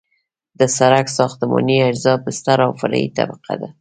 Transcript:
د سرک ساختماني اجزا بستر او فرعي طبقه ده